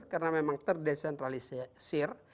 karena memang terdesentralisir